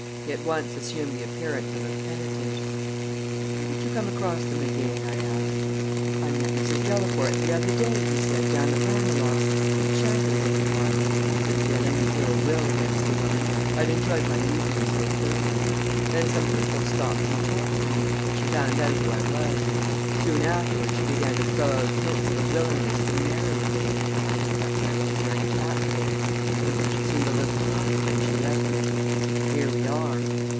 He at once assumed the appearance of a penitent. "Where did you come across them again?" I asked. "I met Mrs. Delaporte the other day," he said, "down at Ranelagh. We chatted a little while. I couldn't feel any ill will against the woman I'd enjoyed my evening so thoroughly. Then some people stopped and talked to me, and she found out who I was. Soon afterward she began to throw out hints of a willingness to marry again. Perhaps I wasn't very tactful. Anyway she seemed a little huffed when she left me and here we are!